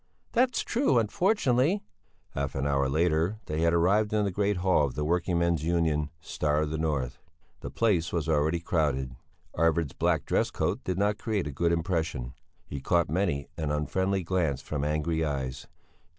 "That's true, unfortunately." Half an hour later they had arrived in the great hall of the working men's union "Star of the North." The place was already crowded. Arvid's black dress coat did not create a good impression; he caught many an unfriendly glance from angry eyes.